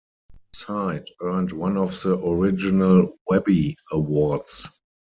The site earned one of the original Webby Awards.